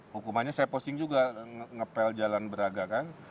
hukumannya saya posting juga ngepel jalan braga kan